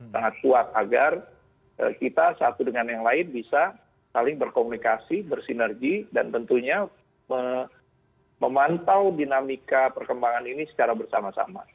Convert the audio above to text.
sangat kuat agar kita satu dengan yang lain bisa saling berkomunikasi bersinergi dan tentunya memantau dinamika perkembangan ini secara bersama sama